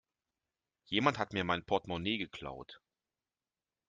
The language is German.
Jemand hat mir mein Portmonee geklaut.